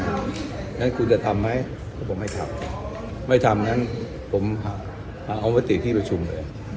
งั้นคุณจะทำไหมผมไม่ทำไม่ทำงั้นผมเอามติที่ประชุมเลย